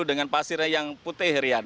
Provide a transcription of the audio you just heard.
dengan pasirnya yang putih